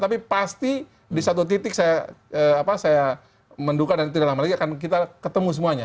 tapi pasti di satu titik saya menduka dan tidak lama lagi akan kita ketemu semuanya